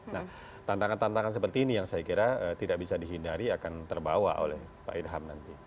nah tantangan tantangan seperti ini yang saya kira tidak bisa dihindari akan terbawa oleh pak irham nanti